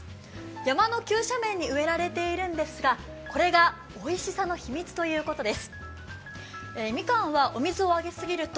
山の急斜面に植えられているんですが、これがおいしさの秘密ということです。